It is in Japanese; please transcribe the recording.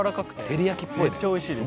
「照り焼きっぽいね。